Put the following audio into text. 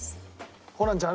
ホランちゃん